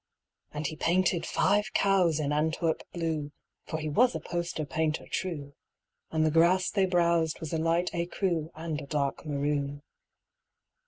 And he painted five cows in Antwerp blue (For he was a poster painter true), And the grass they browsed was a light écru And a dark maroon.